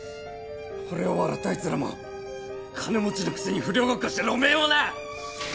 俺を笑ったあいつらも金持ちのくせに不良ごっこしてるおめえもな！